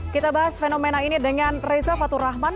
kita bahas fenomena ini dengan reza fatur rahman